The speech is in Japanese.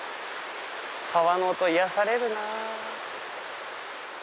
川の音癒やされるなぁ。